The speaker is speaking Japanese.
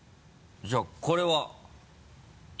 じゃあこれは？